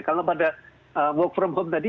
kalau pada work from home tadi